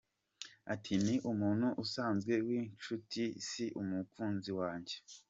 Ati: Ni umuntu usanzwe w’inshuti si umukunzi wanjye.